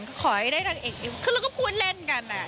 ก็ขอให้ได้นักเอกดีคือเราก็คุยเล่นกัน